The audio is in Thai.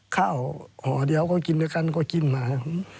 ข้าวห่อเดียวก็กินด้วยกันก็กินมา